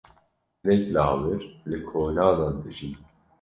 Hinek lawir li kolanan dijîn.